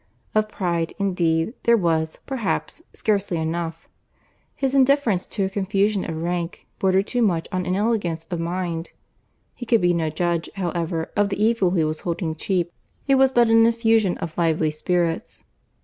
Of pride, indeed, there was, perhaps, scarcely enough; his indifference to a confusion of rank, bordered too much on inelegance of mind. He could be no judge, however, of the evil he was holding cheap. It was but an effusion of lively spirits.